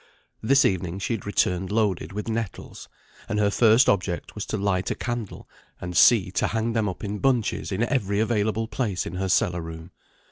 This evening she had returned loaded with nettles, and her first object was to light a candle and see to hang them up in bunches in every available place in her cellar room.